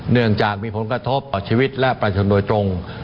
เนื่องจากมีผลกระทบต่อชีวิตและประชาชนโดยตรง